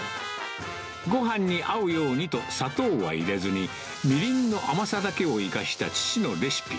ごはんに合うようにと砂糖は入れずに、みりんの甘さだけを生かした父のレシピ。